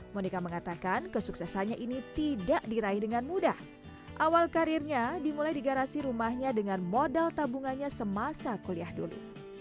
monika mengatakan kesuksesannya ini tidak diraih dengan mudah awal karirnya dimulai di garasi rumahnya dengan modal tabungannya semasa kuliah dulu